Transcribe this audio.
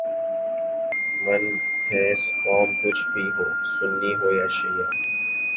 من حیثء قوم کچھ بھی ہو، سنی ہو یا شعیہ